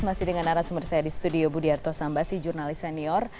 masih dengan arah sumber saya di studio budiarto sambasi jurnalis senior